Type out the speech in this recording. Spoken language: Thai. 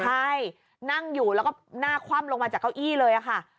ใช่นั่งอยู่แล้วก็หน้าคว่ำลงมาจากเก้าอี้เลยค่ะ